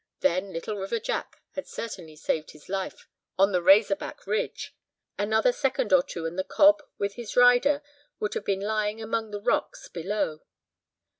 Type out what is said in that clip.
Then, Little River Jack had certainly saved his life on the "Razor Back" ridge; another second or two and the cob with his rider would have been lying among the rocks below.